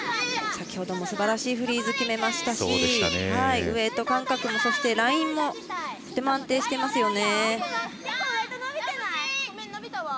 先ほどもすばらしいフリーズ決めましたしウエイト感覚も、ラインもとても安定しています。